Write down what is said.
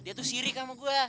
dia tuh siri sama gue